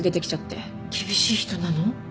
厳しい人なの？